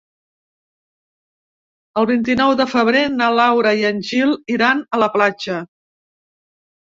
El vint-i-nou de febrer na Laura i en Gil iran a la platja.